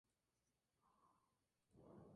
Fue residencia temporal de los sultanes turcos.